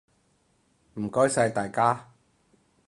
唔該晒大家！